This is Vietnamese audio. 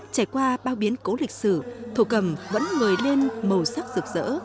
trải qua bao biến cố lịch sử thổ cầm vẫn ngời lên màu sắc rực rỡ